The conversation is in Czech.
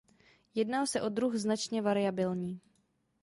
Jedná se o druh značně variabilní.